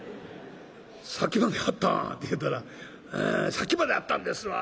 「さっきまであったん？」って言うたら「さっきまであったんですわ。